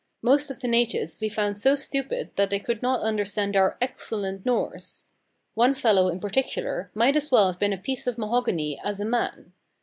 Most of the natives we found so stupid that they could not understand our excellent Norse. One fellow, in particular, might as well have been a piece of mahogany as a man.